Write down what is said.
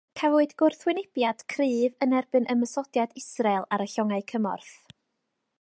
Cafwyd gwrthwynebiad cryf yn erbyn ymosodiad Israel ar y llongau cymorth.